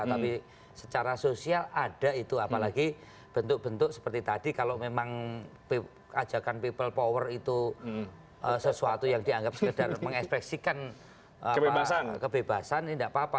tapi secara sosial ada itu apalagi bentuk bentuk seperti tadi kalau memang ajakan people power itu sesuatu yang dianggap sekedar mengekspresikan kebebasan ini tidak apa apa